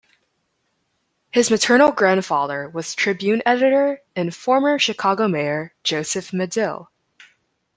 His maternal grandfather was "Tribune" editor and former Chicago mayor Joseph Medill.